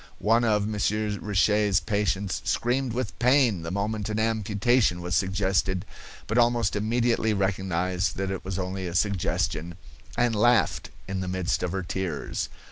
One of Monsieur Richet's patients screamed with pain the moment an amputation was suggested, but almost immediately recognized that it was only a suggestion, and laughed in the midst of her tears.